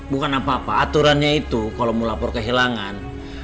bukan apa apa aturannya itu kalau mau lapor kehilangan